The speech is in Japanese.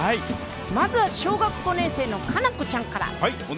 まず、小学５年生のかなこちゃんから。